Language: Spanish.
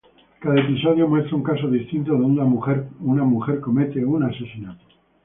Cada episodio muestra un caso distinto donde una mujer comete un asesinato.